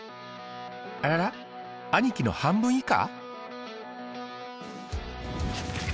あらら兄貴の半分以下？